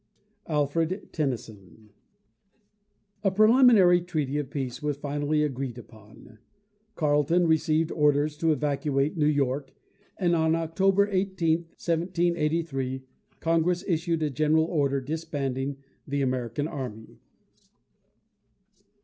ALFRED TENNYSON. A preliminary treaty of peace was finally agreed upon. Carleton received orders to evacuate New York, and on October 18, 1783, Congress issued a general order disbanding the American army.